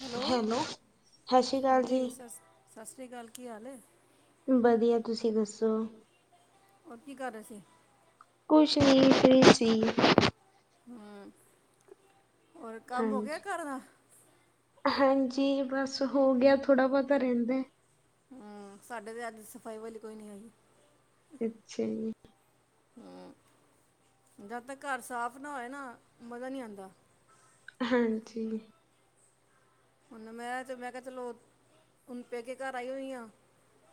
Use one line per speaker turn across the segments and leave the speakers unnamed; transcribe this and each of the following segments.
Hello,
ਸਤਿ ਸ਼੍ਰੀ ਅਕਾਲ ਜੀ,
ਹਾਂਜੀ ਸ ਸਤਿ ਸ਼੍ਰੀ ਅਕਾਲ, ਕੀ ਹਾਲ ਏ?
ਵਧੀਆ, ਤੁਸੀਂ ਦੱਸੋ?
ਹੋਰ ਕੀ ਕਰ ਰਹੇ ਸੀ।
ਕੁੱਛ ਨੀ ਫ੍ਰੀ ਸੀ।
ਹਮ, ਹੋਰ ਕੰਮ ਹੋ ਗਿਆ
ਹਾਂਜੀ,
ਘਰ ਦਾ।
ਹਾਂਜੀ ਬਸ ਹੋ ਗਿਆ ਥੋੜ੍ਹਾ ਬਹੁਤਾ ਰਹਿੰਦਾ।
ਹਮ ਸਾਡੇ ਤੇ ਅੱਜ ਸਫ਼ਾਈ ਵਾਲੀ ਕੋਈ ਨਈ ਆਈ।
ਅੱਛਾ ਜੀ।
ਹਮ, ਜਦ ਤੱਕ ਘਰ ਸਾਫ਼ ਨਾ ਹੋਏ ਨਾ ਮਜ਼ਾ ਨਹੀਂ ਆਦਾ।
ਹਾਂਜੀ।
ਹੁਣ ਮੈਂ ਮੈਂ ਕਿਹਾ ਚਲੋ ਹੁਨ ਪੇਕੇ ਘਰ ਆਈ ਹੋਈ ਆ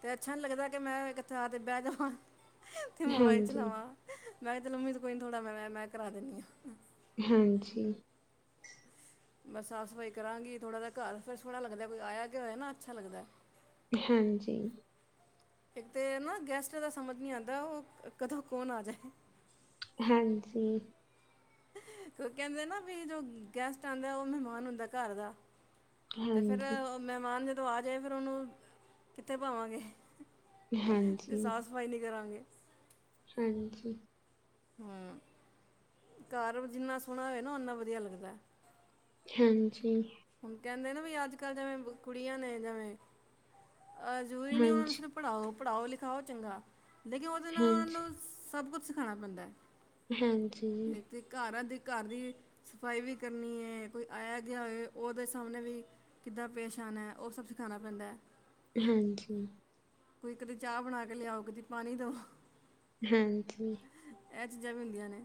ਤੇ ਅੱਛਾ ਨੀ ਲੱਗਦਾ ਕਿ ਮੈਂ ਇੱਥੇ ਆ ਕੇ ਬਹਿ ਜਾਵਾਂ। ਤੇ ਮੋਬਾਈਲ
ਹਾਂਜੀ।
ਚਲਾਵਾਂ ਮੈਂ ਤੇ ਲਮੀ ਸੀ ਪਈ ਥੋੜਾ ਮੋਬਾਈਲ ਮੈਂ ਕਰਾ ਦਿੰਦੀ ਹਾਂ।
ਹਾਂਜੀ।
ਬਸ ਸਾਫ਼ ਸਫ਼ਾਈ ਕਰਾਂਗੀ ਥੋੜ੍ਹਾ ਜਹਾ ਘਰ ਫਿਰ ਸੋਹਣਾ ਲੱਗਦਾ ਏ ਕੋਈ ਆਇਆ ਗਿਆ ਹੋਇਆ ਨਾ ਅੱਛਾ ਲੱਦਾ ਏ।
ਹਾਂਜੀ।
ਇੱਕ ਤੇ ਏਹਨਾ ਗੈਸਟਾ ਦਾ ਸਮਝ ਨੀ ਆਉਂਦਾ ਉਹ ਕਦੋਂ ਕੌਣ ਆ ਜਾਏ।
ਹਾਂਜੀ।
ਕਹਿੰਦੇ ਨਾ ਵੀ ਜੋ ਗੈਸਟ ਆਉਂਦਾ ਉਹ ਮਹਿਮਾਨ ਹੁੰਦਾ ਘਰ ਦਾ। ਤੇ ਫਿਰ
ਹਾਂਜੀ,
ਮਹਿਮਾਨ ਜਦੋਂ ਆ ਜਾਏ ਫਿਰ ਉਹਨੂੰ ਕਿੱਥੇ ਭਾਵਾ ਗੇ।
ਹਾਂਜੀ।
ਸਵਾਈ ਨੀ ਕਰਾ ਗੇ।
ਹਾਂਜੀ।
ਹਮ ਘਰ ਜਿੰਨਾ ਸੋਹਣਾ ਹੋਵੇ ਨਾ ਓਨਾ ਵਧੀਆ ਲੱਗਦਾ ਏ।
ਹਾਂਜੀ।
ਹੁਣ ਕਹਿੰਦੇ ਨਾ ਵੀ ਅੱਜ ਕੱਲ ਜਿਵੇਂ ਕੁੜੀਆਂ ਨੇ ਜਿਵੇਂ ਜ਼ਰੂਰੀ ਨੀ ਉਹਨਾਂ ਨੂੰ
ਹਾਂਜੀ,
ਸਿਰਫ ਪੜਾਓ ਪੜਾਓ ਲਿਖਾਓ ਚੰਗਾ ਲੇਕਿਨ ਉਹ
ਹਾਂਜੀ
ਸਭ ਕੁੱਛ ਸਿਖਾਉਣਾ ਪੈਂਦਾ ਏ
ਹਾਂਜੀ ਜੀ
ਘਰ ਆ ਦੀ ਘਰ ਦੀ ਸਫਾਈ ਵੀ ਕਰਨੀ ਹੈ ਕੋਈ ਆਇਆ ਗਿਆ ਹੋਵੇ ਉਹਦੇ ਸਾਹਮਣੇ ਵੀ ਕਿੱਦਾਂ ਪੇਸ਼ ਆਨਾ ਹੈ ਉਹ ਸਭ ਸਿਖਾਉਣਾ ਪੈਂਦਾ ਏ
ਹਾਂਜੀ
ਕੋਈ ਕਦੇ ਚਾਹ ਬਣਾ ਕੇ ਲਿਆਓ ਕਦੀ ਪਾਣੀ ਦਓ
ਹਾਂਜੀ
ਇਹ ਚੀਜ਼ਾਂ ਵੀ ਹੁੰਦੀਆਂ ਨੇ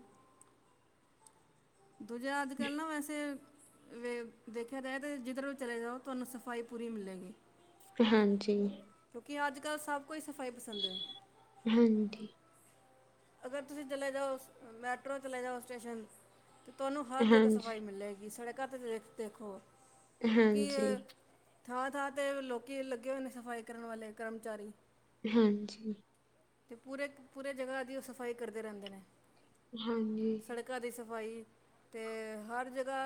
ਦੂਜਾ ਅੱਜ ਕੱਲ ਨਾ ਵੈਸੇ ਵੇ ਦੇਖਿਆ ਜਾਏ ਤਾਂ ਜਿੱਧਰ ਵੀ ਚਲੇ ਜਾਓ ਤੁਹਾਨੂੰ ਸਫਾਈ ਪੂਰੀ ਮਿਲੇਗੀ
ਹਾਂਜੀ
ਕਿਉਂਕਿ ਅੱਜ ਕੱਲ ਸਭ ਕਿਉਂ ਸਫਾਈ ਪਸੰਦ ਹੈ।
ਹਾਂਜੀ
ਅਗਰ ਤੁਸੀਂ ਚਲੇ ਜਾਓ ਮੈਟਰੋ ਚਲੇ ਜਾਓ ਸਟੇਸ਼ਨ ਤੇ ਤੁਹਾਨੂੰ ਹਰ ਜਗ੍ਹਾ ਸਫ਼ਾਈ ਮਿਲੇਗੀ ਸੜਕਾਂ ਤੇ ਦੇਖੋ ਕਿਉਂਕਿ
ਹਾਂਜੀ।
ਥਾਂ ਥਾਂ ਤੇ ਲੋਕੀ ਲੱਗੇ ਹੋਏ ਨੇ ਸਫ਼ਾਈ ਕਰਨ ਵਾਲੇ ਕਰਮਚਾਰੀ
ਹਾਂਜੀ
ਤੇ ਪੂਰੇ ਪੂਰੇ ਜਗ੍ਹਾ ਦੀ ਉਹ ਸਫਾਈ ਕਰਦੇ ਰਹਿੰਦੇ ਨੇ
ਹਾਂਜੀ
ਕਣਕਾਂ ਦੀ ਸਫਾਈ ਤੇ ਹਰ ਜਗ੍ਹਾ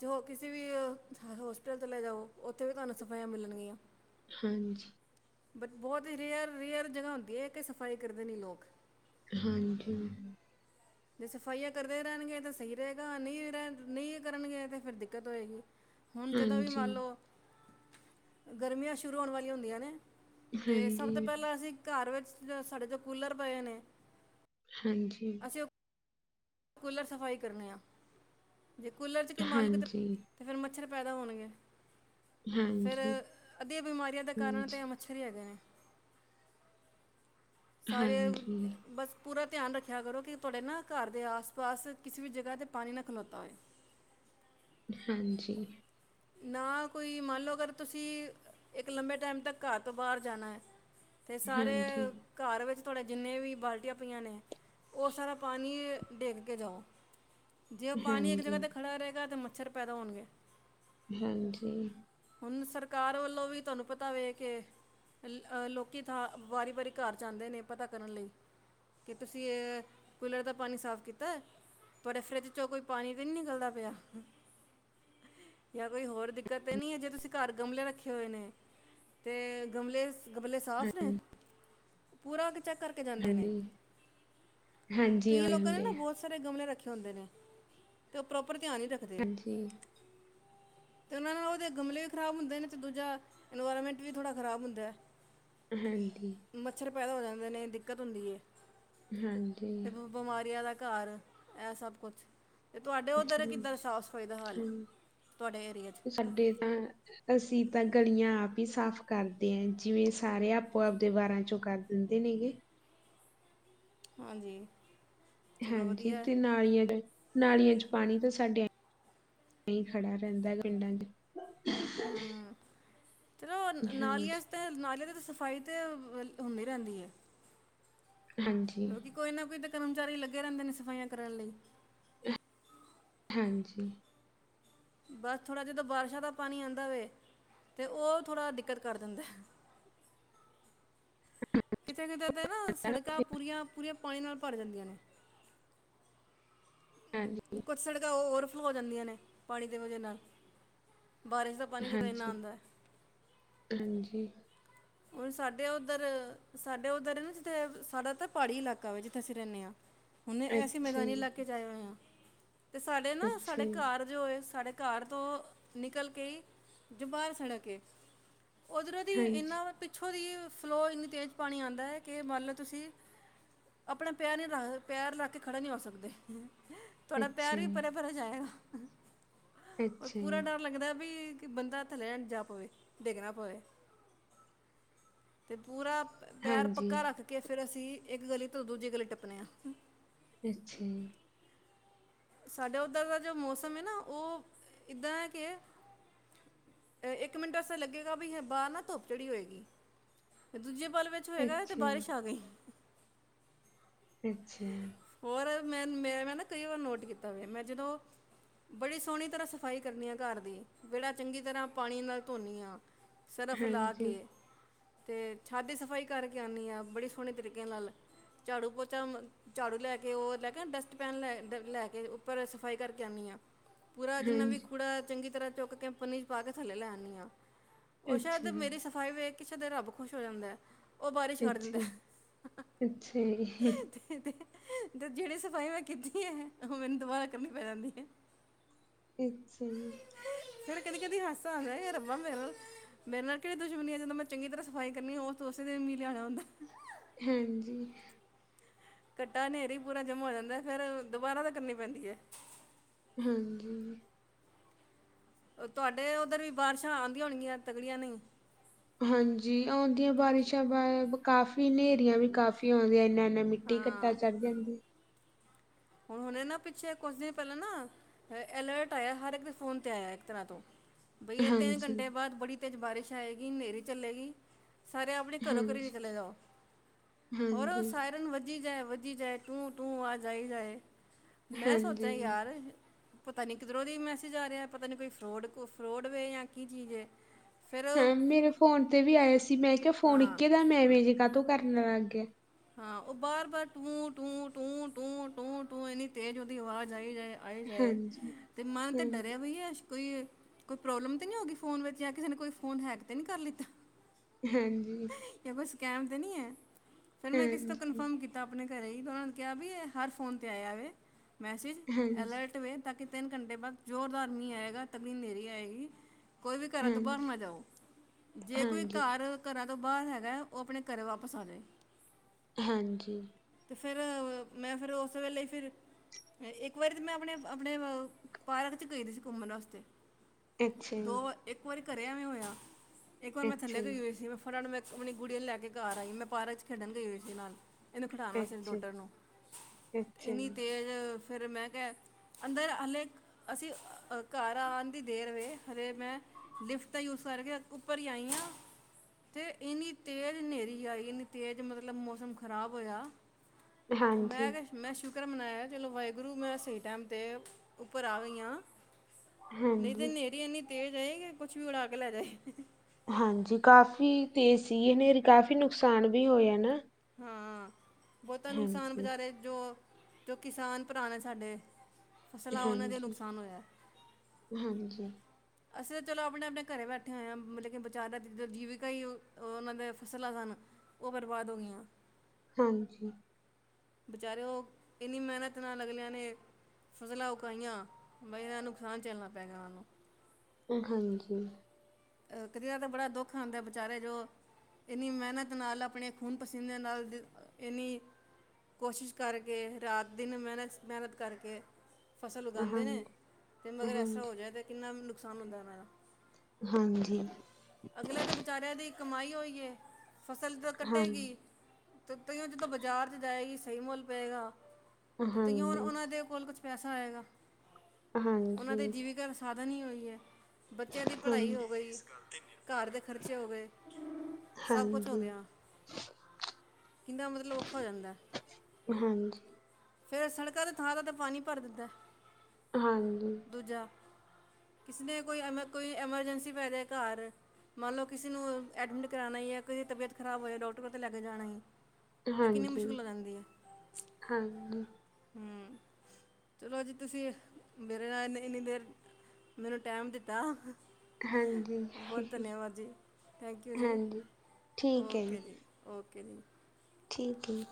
ਜੋ ਕਿਸੇ ਵੀ ਹੋਸਪਿਟਲ ਕਲੇ ਜਾਓ ਉੱਥੇ ਵੀ ਤੁਹਾਨੂੰ ਸਫਾਈਆਂ ਮਿਲਣਗੀਆਂ
ਹਾਂਜੀ
ਬਟ ਬਹੁਤ ਹੀ ਰੇਅਰ ਰੇਅਰ ਜਗ੍ਹਾ ਹੁੰਦੀ ਹੈ ਕਿ ਸਫਾਈ ਕਰਦੇ ਨਹੀਂ ਲੋਕ
ਹਾਂਜੀ
ਜੇ ਸਫਾਈਆਂ ਕਰਦੇ ਰਹਿਣਗੇ ਤਾਂ ਸਹੀ ਰਹੇਗਾ ਨਹੀਂ ਰਹਨ ਨਹੀਂ ਕਰਨਗੇ ਤੇ ਫਿਰ ਦਿੱਕਤ ਹੋਏਗੀ ਹੁਣ ਜਦੋਂ ਵੀ
ਹਾਂਜੀ,
ਮੰਨ ਲਓ ਗਰਮੀਆਂ ਸ਼ੁਰੂ ਹੋਣ ਵਾਲੀਆਂ ਹੁੰਦੀਆਂ ਨੇ
ਹਾਂਜੀ,
ਤੇ ਸਭ ਤੋਂ
ਹਾਂਜੀ,
ਪਹਿਲਾਂ ਅਸੀਂ ਘਰ ਵਿੱਚ ਸਾਡੇ ਤੋਂ ਕੂਲਰ ਪਏ ਨੇ
ਹਾਂਜੀ
ਅਸੀਂ ਉਹ ਕੂਲਰ ਸਫ਼ਾਈ ਕਰਨੇ ਹਾਂ ਜੇ ਕੂਲਰ ਚ ਕਿ ਮਨ ਲੋ ਕੀਤੇ
ਹਾਂਜੀ,
ਤੇ ਫਿਰ ਮੱਛਰ ਪੈਦਾ ਹੋਣਗੇ ਫਿਰ
ਹਾਂਜੀ,
ਅੱਧੀਆਂ ਬਿਮਾਰੀਆਂ ਦਾ ਕਾਰਨ ਤੇ ਇਹ ਮੱਛਰ ਹੈਗੇ ਨੇ ਸਾਰੇ
ਹਾਂਜੀ,
ਬਸ ਪੂਰਾ ਧਿਆਨ ਰੱਖਿਆ ਕਰੋ ਕਿ ਤੁਹਾਡੇ ਨਾ ਘਰ ਦੇ ਆਸ ਪਾਸ ਕਿਸੇ ਵੀ ਜਗ੍ਹਾ ਤੇ ਪਾਣੀ ਨਾ ਖਲੋਤਾ ਹੋਵੇ
ਹਾਂਜੀ
ਨਾ ਕੋਈ ਮੰਨ ਲਓ ਅਗਰ ਤੁਸੀਂ ਇੱਕ ਲੰਬੇ ਟਾਈਮ ਤੱਕ ਘਰ ਤੋਂ ਬਾਹਰ ਜਾਣਾ ਹੈ। ਤੇ ਸਾਰੇ
ਹਾਂਜੀ,
ਘਰ ਵਿੱਚ ਤੁਹਾਡੇ ਜਿੰਨੇ ਵੀ ਬਾਲਟੀਆਂ ਪਈਆਂ ਨੇ ਉਹ ਸਾਰਾ ਪਾਣੀ ਡਿੱਗ ਕੇ ਜਾਓ ਜੇ ਉਹ ਪਾਣੀ ਇੱਕ ਜਗ੍ਹਾ
ਹਾਂਜੀ,
'ਤੇ ਖੜਾ ਰਹੇਗਾ ਤਾਂ ਮੱਛਰ ਪੈਦਾ ਹੋਣਗੇ
ਹਾਂਜੀ
ਹੁਣ ਸਰਕਾਰ ਵੱਲੋਂ ਵੀ ਤੁਹਾਨੂੰ ਪਤਾ ਵੇ ਕੇ ਲੋਕੀ ਥਾਂ ਵਾਰੀ ਵਾਰੀ ਘਰ ਜਾਂਦੇ ਨੇ ਪਤਾ ਕਰਨ ਲਈ ਕਿ ਤੁਸੀਂ ਕੂਲਰ ਦਾ ਪਾਣੀ ਸਾਫ਼ ਕੀਤਾ ਤੁਹਾਡੇ ਫਰਿੱਜ ਚੋਂ ਕੋਈ ਪਾਣੀ ਤੇ ਨਹੀਂ ਨਿਕਲਦਾ ਪਿਆ ਜਾਂ ਕੋਈ ਹੋਰ ਦਿੱਕਤ ਤਾਂ ਨਹੀਂ ਹੈ ਜੇ ਤੁਸੀਂ ਘਰ ਗਮਲੇ ਰੱਖੇ ਹੋਏ ਨੇ ਤੇ ਗਮਲੇ ਗਮਲੇ ਸਾਫ ਨੇ
ਹਾਂ
ਪੂਰਾ ਕੇ ਚੈੱਕ ਕਰਕੇ ਜਾਂਦੇ ਨੇ
ਹਾਂਜੀ, ਹਾਂਜੀ
ਕਈਆਂ
ਆਏ
ਲੋਕਾਂ ਨੇ
ਹੁੰਦੇ
ਨਾ
ਆ
ਬਹੁਤ ਸਾਰੇ ਗਮਲੇ ਰੱਖੇ ਹੁੰਦੇ ਨੇ ਤੇ ਉਹ ਪ੍ਰੋਪਰ ਧਿਆਨ ਹੀ ਰੱਖਦੇ
ਜੀ
ਤੇ ਉਹਨਾਂ ਨਾਲ ਉਹਦੇ ਗਮਲੇ ਵੀ ਖਰਾਬ ਹੁੰਦੇ ਨੇਂ ਤੇ ਦੂਜਾ ਇਨਵਾਇਰਮੈਂਟ ਵੀ ਥੋੜ੍ਹਾ ਖ਼ਰਾਬ ਹੁੰਦਾ ਐ।
ਹਾਂਜੀ।
ਮੱਛਰ ਪੈਦਾ ਹੋ ਜਾਂਦੇ ਨੇਂ ਦਿੱਕਤ ਹੁੰਦੀ ਐ।
ਹਾਂਜੀ।
ਬਿਮਾਰੀਆਂ ਦਾ ਘਰ, ਇਹ ਸਭ ਕੁਛ ਤੇ ਤੁਹਾਡੇ ਉੱਧਰ ਕਿੱਦਾਂ ਸਾਫ਼ ਸਫਾਈ ਦਾ ਹੱਲ
ਹਾਂ
ਤੁਹਾਡੇ ਏਰਿਏ ਚ
ਸਾਡੇ ਤਾਂ ਅਸੀਂ ਤਾਂ ਗਲੀਆਂ ਆਪ ਈ ਸਾਫ਼ ਕਰਦੇ ਆਂ, ਜਿਵੇਂ ਸਾਰੇ ਆਪੋ ਆਪਦੇ ਵਾਰਾਂ ਚੋਂ ਕਰਦੇ ਦਿੰਦੇ ਨੀਂ ਗੇ
ਹਾਂਜੀ। ਚਲੋ
ਹਾਂਜੀ
ਵਧੀਆ ਹੈ।
ਤੇ ਨਾਲ [unintelligible] ਨਾਲੀਆਂ ਚ ਪਾਣੀ ਤਾਂ ਸਾਡੇ ਨਈਂ ਖੜਾ ਰਹਿੰਦਾ ਪਿੰਡਾਂ ਚ
ਹਂ, ਚਲੋ
ਹਾਂਜੀ
ਨਾਲੀਆਂ ਚ ਤੇ ਨਾਲੀਆਂ ਦੀ ਤਾਂ ਸਫਾਈ ਤੇ ਅ ਹੁੰਦੀ ਰਹਿੰਦੀ ਐ।
ਹਾਂਜੀ।
ਕੋਈ ਨਾਂ ਕੋਈ ਤਾਂ ਕਰਮਚਾਰੀ ਲੱਗੇ ਰਹਿੰਦੇ ਨੇਂ ਸਫਾਈਆਂ ਕਰਨ ਲਈ।
[unintelligible] ਹਾਂਜੀ।
ਬਸ ਥੋੜ੍ਹਾ ਜਦੋਂ ਬਾਰਸ਼ਾਂ ਦਾ ਪਾਣੀ ਆਂਦਾ ਵੇ ਤਾਂ ਉਹ ਥੋੜ੍ਹਾ ਦਿੱਕਤ ਕਰ ਦਿੰਦਾ ਐ।
[unintelligible]
ਕਿਤੇ-ਕਿਤੇ, ਤਾਂ ਨਾਂ ਸੜਕਾਂ
ਹਾਂਜੀ
ਪੂਰੀਆਂ-ਪੂਰੀਆਂ, ਪਾਣੀ ਨਾਲ ਭਰ ਜਾਂਦੀਆਂ ਨੇਂ।
ਹਾਂਜੀ।
ਕੁਝ ਸੜਕਾਂ ਉਹ ਔਰ ਫਲੋ ਹੋ ਜਾਂਦੀਆਂ ਨੇਂ, ਪਾਣੀ ਦੇ ਵਜੇ ਨਾਲ, ਬਾਰਿਸ਼ ਦਾ ਪਾਣੀ ਜਦੋਂ ਇੰਨਾ
ਹਾਂਜੀ,
ਆਉਂਦਾ ਹੈ
ਹਾਂਜੀ।
ਹੁਣ ਸਾਡੇ ਉੱਧਰ ਸਾਡੇ ਉੱਧਰ ਨਾਂ ਜਿੱਥੇ ਸਾਡਾ ਤਾਂ ਪਹਾੜੀ ਇਲਾਕਾ ਵੇ ਜਿੱਥੇ ਅਸੀਂ ਰਹਿਣੇ ਆਂ। ਹੁਣ ਅਸੀਂ
ਅੱਛਾ
ਮੈਦਾਨੀ
ਜੀ
ਇਲਾਕੇ ਚ ਆਏ ਹੋਏ ਆ ਤੇ ਸਾਡੇ ਨਾਂ
ਅੱਛਾ
ਸਾਡੇ
ਜੀ
ਘਰ ਜੋ ਹੋਏ ਸਾਡੇ ਘਰ ਤੋਂ ਨਿਕਲ ਕੇ ਜੋ ਬਾਹਰ ਸੜਕੇ ਉੱਧਰੋਂ ਦੀ
ਹਾਂਜੀ
ਇੰਨਾਂ ਪਿੱਛੋਂ ਦੀ ਫਲੋ ਇੰਨੀ ਤੇਜ਼ ਪਾਣੀ ਆਂਦਾ ਐ ਕਿ ਮੰਨ ਲਓ ਤੁਸੀਂ ਆਪਣਾ ਪੈਰ ਨ੍ਹੀਂ ਰੱਖ, ਪੈਰ ਰੱਖ ਕੇ ਖੜ੍ਹਾ ਨਈਂ ਹੋ ਸਕਦੇ। ਤੁਹਾਡਾ
ਅੱਛਾ
ਪਿਆਰ ਵੀ ਪਰੇ-ਪਰੇ ਜਾਏਗਾ,
ਜੀ
[unintelligible]
ਅੱਛਾ
ਪੂਰਾ ਡਰ ਲੱਗਦਾ ਪੀ ਕਿ ਬੰਦਾ ਥੱਲੇ ਲੈਣ ਜਾ ਪਵੇ ਡਿੱਗ ਣਾ ਪਵੇ। ਤੇ ਪੂਰਾ
ਜੀ
ਪੈਰ
ਹਾਂਜੀ
ਪੱਕਾ ਰੱਖ ਕੇ ਫੇਰ ਅਸੀਂ ਇੱਕ ਗਲੀ ਤੋਂ ਦੂਜੀ ਗਲੀ ਟੱਪਣੇ ਆਂ।
ਅੱਛਾ।
ਸਾਡੇ ਉੱਧਰ ਦਾ ਜੋ ਮੌਸਮ ਐ ਨਾਂ ਉਹ ਇੱਦਾਂ ਐ ਕਿ ਅ, ਇੱਕ ਮਿੰਟ ਐਸਾ ਲੱਗੇਗਾ ਵੀ ਬਾਹਰ ਨਾਂ ਧੁੱਪ ਚੜ੍ਹੀ ਹੋਏਗੀ, ਦੂਜੇ ਪਲ ਵਿੱਚ
ਜੀ
ਹੋਏਗਾ ਏ ਤੇ ਬਾਰਿਸ਼ ਆ ਗਈ।
ਅੱਛਾ।
ਹੋਰ ਮੈਂ ਮੇ ਮੈਂ ਨਾਂ ਕਈ ਵਾਰ ਨੋਟ ਕੀਤਾ ਵੈ। ਮੈਂ ਜਦੋਂ ਬੜੀ ਸੋਹਣੀ ਤਰ੍ਹਾਂ ਸਫਾਈ ਕਰਨੀਆਂ ਘਰ ਦੀ, ਵੈੜਾ ਚੰਗੀ ਤਰ੍ਹਾਂ ਪਾਣੀ ਨਾਲ ਧੋਣੀ ਆਂ। ਸਰਫ ਲਾ
ਹਾਂਜੀ
ਕੇ ਅਤੇ ਛੱਡ ਦੀ ਸਫਾਈ ਕਰਕੇ ਆਣੀ ਆਂ ਬੜੇ ਸੋਹਣੇ ਤਰੀਕੇ ਨਾਲ। ਝਾੜੂ ਪੋਚਾ ਮ, ਝਾੜੂ ਲੈ ਕੇ ਉਹ ਲੈਕੇ ਡਸਟਬੈਨ ਲੈ ਲੈ ਉੱਪਰ ਸਫ਼ਾਈ ਕਰਕੇ ਆਣੀ ਆਂ, ਪੂਰਾ ਜਿੰਨਾ ਵੀ
ਹਾਂਜੀ
ਕੂੜਾ ਚੰਗੀ ਤਰ੍ਹਾਂ ਚੁੱਕ ਕੇ ਪਨ੍ਹੀ ਚ ਪਾ ਕੇ ਥੱਲੇ ਲੈ ਆਣੀ ਆਂ, ਉਹ ਸ਼ਾਇਦ
ਅੱਛਾ
ਮੇਰੀ
ਜੀ
ਸਫ਼ਾਈ ਵੇਖ ਕੇ ਸ਼ਾਇਦ ਰੱਬ ਖੁਸ਼ ਹੋ ਜਾਂਦਾ। ਉਹ ਬਾਰਿਸ਼ ਕਰ ਦਿੰਦਾ
ਅੱਛਾ ਅੱਛਾ ਜੀ
[unintelligible] ਤੇ [unintelligible] ਜਿਹੜੀ ਸਫਾਈ ਮੈਂ ਕੀਤੀ ਐਂ ਉਹ ਮੈਨੂੰ ਦੁਬਾਰਾ ਕਰਨੀ ਪੈ ਜਾਂਦੀ ਐ।
ਇੱਹ ਤੇ ਸਹੀ ਏ।
[unintelligible] ਫਿਰ ਕਦੀ-ਕਦੀ ਹਾਸਾ ਆਂਦਾ ਏ ਰੱਬਾ ਮੇਰੇਲ ਮੇਰੇ ਨਾਲ ਕਿਹੜ ਦੁਸ਼ਮਣੀ ਆ ਜਦੋ ਮੈਂ ਚੰਗੀ ਤਰ੍ਹਾਂ ਸਫ਼ਾਈ ਕਰਨੀ, ਉਹ ਉਸੇ ਦਿਨ ਮੀਹ ਲਿਆਣਾ ਹੁੰਦਾ।
ਹਾਂਜੀ।
ਘੱਟਾ ਹਨੇਰੀ ਪੂਰਾ ਜਮਾ ਹੋ ਜਾਂਦਾ, ਫੇਰ ਦੁਬਾਰਾ ਤੋ ਕਰਨੀ ਪੈਂਦੀ ਐ।
ਹੂੰ-ਹੂੰ।
ਤੁਹਾਡੇ ਉੱਧਰ ਵੀ ਬਾਰਿਸ਼ਾਂ ਆਂਦੀਆਂ ਹੋਣਗੀਆਂ ਤਗੜੀਆਂ ਨਈ।
ਹਾਂਜੀ, ਆਉਂਦੀਆਂ ਬਾਰਿਸ਼ਾਂ ਬਾ ਕਾਫ਼ੀ ਨੇਰੀਆਂ ਵੀ ਕਾਫ਼ੀ ਆਉਂਦੀਆਂ, ਇਹਨਾਂ ਨੇ ਮੈ ਮਿੱਟੀ ਘੱਟਾ
ਹਾਂ
ਚੜ ਜਾਂਦੀ ਐ।
ਹੁਣ ਹੁਣੇ ਨਾ ਪਿੱਛੇ ਕੁਛ ਦਿਨ ਪਹਿਲਾਂ ਨਾ ਅਲਰਟ ਆਇਆ ਹਰ ਇੱਕ ਫੋਨ ਤੇ ਆਇਆ, ਇੱਕ ਤਰ੍ਹਾਂ ਤੋਂ ਬਈ ਐ ਤਿੰਨ
ਹਾਂਜੀ
ਘੰਟੇ ਬਾਅਦ ਬੜੀ ਤੇਜ਼ ਬਾਰਿਸ਼ ਆਏਗੀ, ਨ੍ਹੇਰੀ ਚੱਲੇਗੀ। ਸਾਰੇ ਆਪਣੇ ਘਰੋਂ ਘਰੀ ਵੀ
ਹਾਂਜੀ
ਚਲੇ ਜਾਓ, ਹੋਰ ਉਹ
ਹਾਂਜੀ
ਸਾਇਰਨ ਵ ਵੱਜੀ ਜਾਏ-ਵੱਜੀ ਜਾਏ, ਟੂੰ-ਟੂੰ ਆ ਜਾਈ ਜਾਏ, ਮੈਂ ਸੋਚਾਂ
ਹਾਂਜੀ
ਯਾਰ ਪਤਾ ਨੀ ਕਿਧਰੋਂ ਦੀ ਮੈਸੇਜ ਆ ਰਿਹਾ, ਪਤਾ ਨਹੀਂ ਕੋਈ ਫਰੋਡ-ਫਰੋਡ ਵੇ ਜਾਂ ਕੀ ਚੀਜ਼ ਏ।
ਹਾਂ ਮੇਰੇ ਫੋਨ ਤੇ ਵੀ ਆਏ ਸੀ, ਮੈਂ ਕਿਹਾ ਫੋਨ
ਹਾਂ
ਇੱਕੇ ਦਮ ਐਵੇਂ ਜੇ ਕਾਹਤੋਂ ਕਰਨ ਲੱਗ ਗਿਆ।
ਹਾਂ, ਉਹ ਵਾਰ-ਵਾਰ ਟੂੰ-ਟੂੰ-ਟੂੰ-ਟੂੰ-ਟੂੰ-ਟੂੰ ਏਨੀ ਤੇਜ ਓਹਦੀ ਆਵਾਜ਼ ਆਈ ਜਾਏ। ਆਏ ਜਾਏ,
ਹਾਂਜੀ
ਤੇ ਮਨ ਤੇ ਡਰਿਆ
ਹਾਂਜੀ
ਵੀ ਐ ਕੋਈ ਕੋਈ ਪ੍ਰੋਬਲਮ ਤੇ ਨੀ ਹੋ ਗਈ ਫੋਨ ਵਿੱਚ, ਜਾਂ ਕਿਸੇ ਨੇ ਕੋਈ ਫੋਨ ਹੈਕ ਤੇ ਨਹੀਂ ਕਰ ਲਿੱਤਾ।
ਹਾਂਜੀ।
ਜਾਂ ਕੋਈ ਸਕੈਮ ਤੇ ਨਈ ਐ, ਫਿਰ ਮੈਂ ਕਿਸੇ ਤੋਂ
ਹਾਂਜੀ
ਕਨਫਰਮ ਕੀ ਤਾ ਆਪਣੇ ਘਰੇ ਹੀ, ਉਹਨਾਂ ਨੇ ਕਿਹਾ ਵੀ ਇਹ ਹਰ ਫੋਨ ਤੇ ਆਇਆ ਵੇ ਮੈਸੇਜ
ਹਾਂਜੀ
ਅਲਰਟ‌। ਵੇ ਤਾਂ ਕਿ ਤਿੰਨ ਘੰਟੇ ਬਾਅਦ ਜ਼ੋਰਦਾਰ ਮੀਂਹ ਆਏਗਾ, ਤਕੜੀ ਨੇਰੀ ਆਏਗੀ। ਕੋਈ ਵੀ ਘਰਾਂ ਤੋਂ ਬਾਹਰ
ਹਾਂਜੀ
ਨਾ ਜਾਓ, ਜੇ ਕੋਈ
ਹਾਂਜੀ
ਘਰ ਘਰਾਂ ਤੋਂ ਬਾਹਰ ਹੈਗਾ, ਓਹ ਆਪਣੇ ਘਰੇ ਵਾਪਸ ਆ ਜਾਏ।
ਹਾਂਜੀ।
ਤੇ ਫੇਰ ਮੈਂ ਫੇਰ ਓਸ ਵੇਲੇ ਈ ਫਿਰ ਇੱਕ ਵਾਰੀ ਤਾਂ ਮੈਂ ਆਪਣੇ-ਆਪਣੇ ਪਾਰਕ ਚ ਗਈ ਸੀ ਘੁੰਮਣ ਵਾਸਤੇ।
ਅੱਛਾ ਜੀ
ਦੋ ਵ ਇੱਕ ਵਾਰੀ ਘਰੇ ਐਵੇਂ ਹੋਇਆ, ਇੱਕ ਵਾਰ ਮੈਂ
ਅੱਛਾ
ਥੱਲੇ ਗਈ
ਜੀ
ਹੋਈ ਸੀ। ਫਟਾਫਟ ਮੈਂ ਆਪਣੀ ਗੁਡੀ ਨੂੰ ਲੈ ਕੇ ਘਰ ਆਈ, ਮੈਂ ਪਾਰਕ ਚ ਖੇਡਣ ਗਈ ਹੋਈ ਸੀ ਉਸਦੇ ਨਾਲ। ਇਹਨੂੰ ਖਡਾਣ ਵਾਸਤੇ
ਅੱਛਾ ਜੀ,
ਡੋਟਰ ਨੂੰ,
ਅੱਛਾ
ਇੰਨੀ
ਜੀ
ਤੇਜ਼ ਫਿਰ ਮੈਂ ਕਿਹਾ ਅੰਦਰ ਹਲੇੇ, ਅਸੀਂ ਅਹ ਘਰ ਆਣ ਦੀ ਦੇਰ ਵੇ, ਹਲੇ ਮੈਂ ਲਿਫਟ ਦਾ ਯੂਜ ਕਰਕੇ ਉੱਪਰ ਹੀ ਆਈ ਆਂ। ਤੇ ਏਨੀ ਤੇਜ਼ ਨ੍ਹੇਰੀ ਆਈ ਇੰਨੀ ਤੇਜ਼, ਮਤਲਬ ਮੌਸਮ ਖਰਾਬ ਹੋਇਆ। ਉਹ ਮੈਂ
ਹਾਂਜੀ
ਕਿਹਾ ਮੈਂ ਸ਼ੁਕਰ ਮਨਾਇਆ ਚਲੋ ਵਾਹਿਗੁਰੂ, ਮੈਂ ਸਹੀ ਟਾਈਮ ਤੇ ਉੱਪਰ ਆ ਗਈ ਆਂ। ਨਹੀਂ ਤੇ
ਹਾਂਜੀ
ਨੇਰੀ ਏਨੀ ਤੇਜ਼ ਆਈ, ਕਿ ਕੁਛ ਵੀ ਉਡਾ ਕੇ ਲੈ ਜਾਏ।
ਹਾਂਜੀ, ਕਾਫੀ ਤੇਜ਼ ਸੀ ਹਨੇਰੀ, ਕਾਫ਼ੀ ਨੁਕਸਾਨ ਵੀ ਹੋਇਆ ਨਾ।
ਹਾਂ, ਬੋਤਾ ਨੁਕਸਾਨ
ਹਾਂਜੀ
ਬਚਾਰੇ ਜੋ-ਜੋ ਕਿਸਾਨ ਭਰਾ ਨੇ ਸਾਡੇ। ਫਸਲਾਂ ਉਹਨਾਂ ਦੇ ਨੁਕਸਾਨ ਹੋਇਆ
ਹਾਂਜੀ-ਹਾਂਜੀ।
ਅਸੀਂ ਤਾਂ ਚਲੋ ਆਪਣੇ-ਆਪਣੇ ਘਰੇ ਬੈਠੇ ਹੋਏ ਆਂ, ਲੇਕਿਨ ਵਿਚਾਰਾ ਦਾ ਜ ਜੀਵਿਕਾ ਈ ਓਨਾਂ ਦੇ ਫਸਲਾਂ ਸਨ। ਓਹ ਬਰਬਾਦ ਹੋਗੀਆਂ।
ਹਾਂਜੀ।
ਬਚਾਰੇ ਓਹ, ਇੰਨੀ ਮਿਹਨਤ ਨਾਲ ਅਗਲਿਆਂ ਨੇ ਫਸਲਾਂ ਉਗਾਈਆਂ, ਬਈ ਏਨਾਂ ਨੁਕਸਾਨ ਝੱਲਣਾ ਪੈ ਗਿਆ ਓਨਾ ਨੂੰ।
ਹਾਂਜੀ।
ਤੇ ਯਾਰ ਬੜਾ ਦੁੱਖ ਆਂਦਾ, ਵਿਚਾਰੇ ਜੋ ਇੰਨੀ ਮਿਹਨਤ ਨਾਲ, ਆਪਣੇ ਖੂਨ ਪਸੀਨੇ ਨਾਲ, ਏਨੀ ਕੋਸ਼ਿਸ਼ ਕਰਕੇ, ਰਾਤ ਦਿਨ ਮਿਹਨਤ-ਮਿਹਨਤ ਕਰਕੇ ਫਸਲ ਉਗਾਂਦੇ ਨੇ,
ਹਾਂਜੀ
ਤੇ ਮਗਰ ਐਸ ਤਰ੍ਹਾਂ
ਹਾਂਜੀ
ਹੋਜੇ ਤਾਂ ਕਿੰਨਾ ਨੁਕਸਾਨ ਹੁੰਦਾ ਉਹਨਾਂ ਦਾ।
ਹਾਂਜੀ।
ਅਗਲੇ ਤੇ ਬਚਾਰਿਆਂ ਦੀ ਕਮਾਈ ਓਈ ਏ, ਫਸਲ ਤਾਂ ਕੱਟੇਗੀ। ਤੇ ਤਈਓਂ ਜਦੋਂ ਬਾਜ਼ਾਰ ਚ ਜਾਏਗੀ ਸਈ ਮੁੱਲ ਪਏਗਾ, ਤੇ ਤਈਓ
ਹਾਂਜੀ
ਉਨਾਂ ਦੇ ਕੋਲ ਕੁੱਛ ਪੈਸਾ ਆਏਗਾ, ਓਹਨਾਂ
ਹਾਂਜੀ
ਦੇ ਜੀਵਿਕਾ ਦਾ ਸਾਧਨ ਹੀ ਓਹੀ ਐ। ਬੱਚਿਆਂ ਦੀ ਪੜ੍ਹਾਈ ਹੋ
ਹਾਂਜੀ
ਗਈ, ਘਰ ਦੇ ਖ਼ਰਚੇ ਹੋ ਗਏ। ਸਭ ਕੁਝ ਹੋ
ਹਾਂਜੀ।
ਗਿਆ ਕਿੰਦਾ ਮਤਲਬ ਔਖਾ ਹੋ ਜਾਂਦਾ।
ਹਾਂਜੀ।
ਫੇਰ ਸੜਕਾਂ ਤੇ ਥਾਂ-ਥਾਂ ਤੇ ਪਾਣੀ ਭਰ ਦਿਦੈ।
ਹਾਂਜੀ।
ਦੂਜਾ, ਕਿਸ ਨੇ ਕੋਈ ਐਮ ਕੋਈ ਐਮਰਜੈਂਸੀ ਪੈ ਜੇ ਘਰ। ਮੰਨ ਲੋ ਕਿਸੀ ਨੂੰ ਐਡਮਿਟ ਕਰਾਣਾ ਯਾਂ ਕਿਸੇ ਤਬੀਅਤ ਖਰਾਬ ਹੋਜੇ ਡੋਕਟਰ ਕੋਲ ਤੇ ਲੈ ਕੇ ਜਾਣਾ ਈ। ਤੇ ਕਿੰਨੀ ਮੁਸ਼ਕਿਲ ਆਂਦੀ ਏ। ਹੂੰ। ਚਲੋ ਜੀ ਤੁਸੀਂ, ਮੇਰੇ ਨਾਲ ਇੰਨੀ, ਇੰਨੀ ਦੇਰ ਮੈਨੂੰ ਟੈਮ ਦਿੱਤਾ।
ਹਾਂਜੀ।
ਬੋਤ
ਹਾਂਜੀ
ਧਨਿਆਵਾਦ ਜੀ, ਥੈਂਕ ਯੂ ਜੀ,
ਹਾਂਜੀ ਠੀਕ ਹੈ
ਓਕੇ ਜੀ- ਓਕੇ ਜੀ।
ਠੀਕ ਐ ਜੀ।